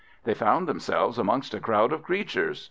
They found themselves amongst a crowd of creatures.